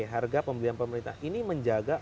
harga pembelian pemerintah ini menjaga